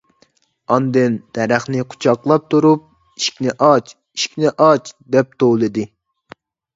ئاندىن دەرەخنى قۇچاقلاپ تۇرۇپ: «ئىشىكنى ئاچ ! ئىشىكنى ئاچ !» دەپ توۋلىدى.